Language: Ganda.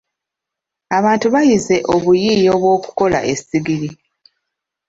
Abantu bayize obuyiiya obw'okukola essigiri.